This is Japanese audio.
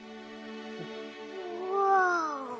うわ。